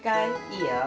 いいよ。